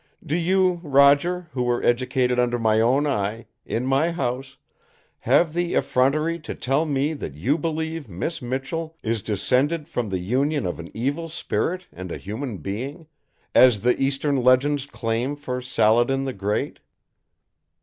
"Do you, Roger, who were educated under my own eye, in my house, have the effrontery to tell me that you believe Miss Michell is descended from the union of an evil spirit and a human being; as the Eastern legends claim for Saladin the Great?"